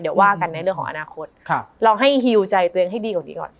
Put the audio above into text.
เดี๋ยวว่ากันในเรื่องของอนาคตเราให้ฮิวใจตัวเองให้ดีกว่านี้ก่อน